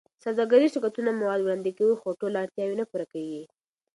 سوداګریز شرکتونه مواد وړاندې کوي، خو ټول اړتیاوې نه پوره کېږي.